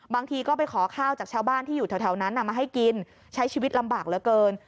บางทีก็ไปขอข้าวจากชาวบ้านที่อยู่แถวนั้นมาให้กินใช้ชีวิตลำบากเหลือเกิน